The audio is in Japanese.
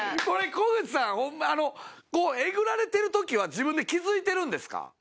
これ小口さんえぐられてる時は自分で気付いてるんですか？